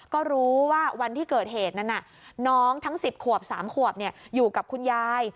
ก็รู้ว่าวันที่เกิดเหตุนั้นน้องทั้ง๑๐ขวบ๓ขวบอยู่กับคุณยาย